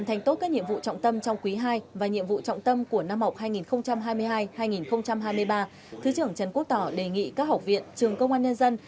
trọng tâm của năm học hai nghìn hai mươi hai hai nghìn hai mươi ba thứ trưởng trần quốc tỏ đề nghị các học viện trường công an nhân dân